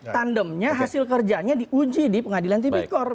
tandemnya hasil kerjanya diuji di pengadilan tipikor